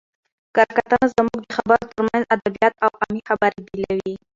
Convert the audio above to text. کره کتنه زموږ د خبرو ترمنځ ادبیات او عامي خبري بېلوي.